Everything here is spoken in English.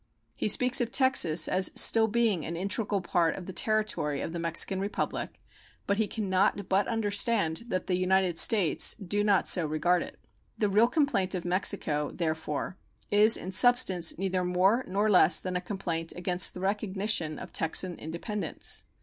He speaks of Texas as still being "an integral part of the territory of the Mexican Republic," but he can not but understand that the United States do not so regard it. The real complaint of Mexico, therefore, is in substance neither more nor less than a complaint against the recognition of Texan independence.